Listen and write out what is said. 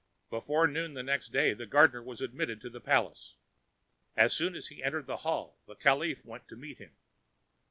Before noon the next day the gardener was admitted to the palace. As soon as he entered the hall the caliph went to meet him.